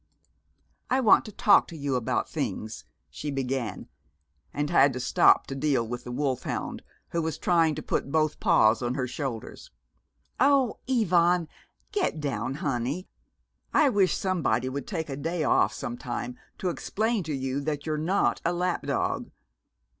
"I want to talk to you about things," she began; and had to stop to deal with the wolfhound, who was trying to put both paws on her shoulders. "Oh, Ivan, get down, honey! I wish somebody would take a day off some time to explain to you that you're not a lap dog!